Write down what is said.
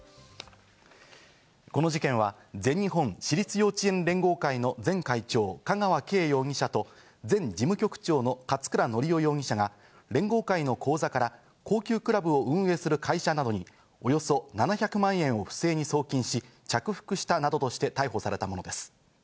この事件は全日本私立幼稚園連合会の前会長・香川敬容疑者と、前事務局長の勝倉教雄容疑者が連合会の口座から高級クラブの運営する会社などに、およそ７００万円を不正に送金し、着服したなどとして逮捕されたものです。